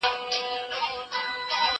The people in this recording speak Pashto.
هر چا ته خپل وطن کشمير دئ.